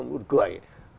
một nguồn cười